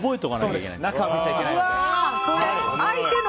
中を見ちゃいけないので。